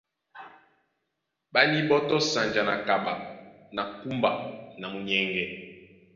Ɓá níɓɔ́tɔ́ sanja na kaɓa na kúmba na munyɛŋgɛ.